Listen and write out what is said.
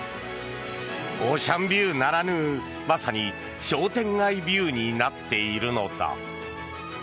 オーシャンビューならぬまさに商店街ビューになっているのだ。